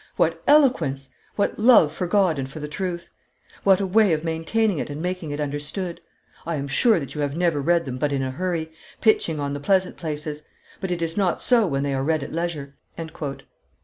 What eloquence! What love for God and for the truth! What a way of maintaining it and making it understood! I am sure that you have never read them but in a hurry, pitching on the pleasant places; but it is not so when they are read at leisure."